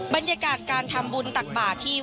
บรรยากาศการทำบุญตักบาทที่